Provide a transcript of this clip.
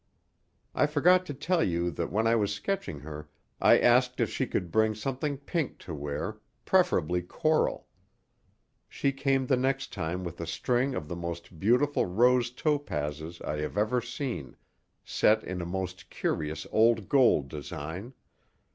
I forgot to tell you that when I was sketching her I asked if she could bring something pink to wear, preferably coral. She came the next time with a string of the most beautiful rose topazes I have ever seen, set in a most curious old gold design.